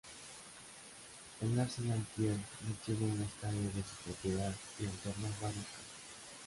El Arsenal Kiev no tiene un estadio de su propiedad y alternó varios campos.